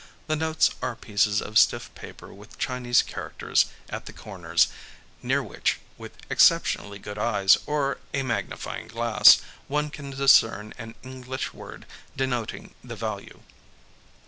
The notes are pieces of stiff paper with Chinese characters at the corners, near which, with exceptionally good eyes or a magnifying glass, one can discern an English word denoting the value.